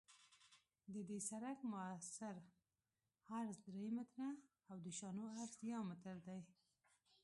د دې سرک مؤثر عرض درې متره او د شانو عرض یو متر دی